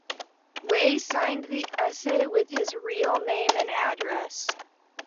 Wei signed the essay with his real name and address.